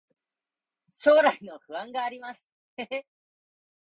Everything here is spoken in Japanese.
将来の不安があります